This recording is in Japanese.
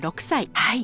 はい。